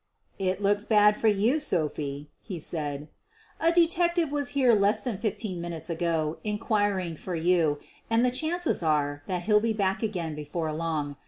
"It looks bad for you, Sophie," he said. "A de tective was here less than fifteen minutes ago in quiring for you and the chances are that he'll be back again before long.